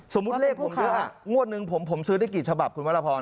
สมมุติเลขผมด้วยอ่ะงวดหนึ่งผมผมซื้อได้กี่ฉบับคุณวรพร